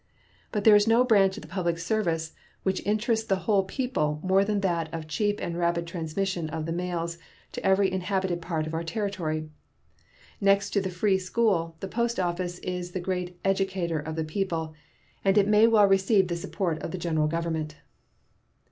But there is no branch of the public service which interests the whole people more than that of cheap and rapid transmission of the mails to every inhabited part of our territory. Next to the free school, the post office is the great educator of the people, and it may well receive the support of the General Government.